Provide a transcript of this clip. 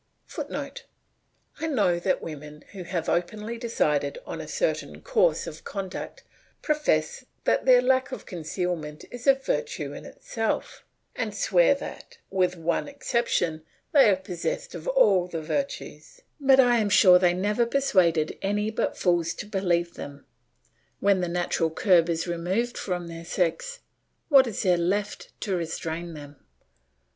[Footnote: I know that women who have openly decided on a certain course of conduct profess that their lack of concealment is a virtue in itself, and swear that, with one exception, they are possessed of all the virtues; but I am sure they never persuaded any but fools to believe them. When the natural curb is removed from their sex, what is there left to restrain them?